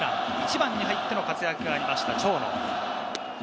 １番に入っての活躍がありました、長野。